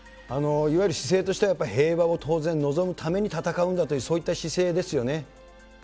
いわゆる姿勢としては、やっぱり平和を当然望むために戦うんだという、そういった姿勢ですよね。